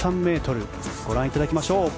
ご覧いただきましょう。